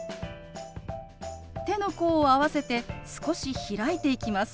手の甲を合わせて少し開いていきます。